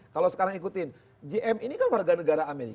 kalau sekarang ikutin gm ini kan warga negara amerika